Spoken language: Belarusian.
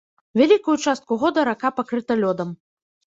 Вялікую частку года рака пакрыта лёдам.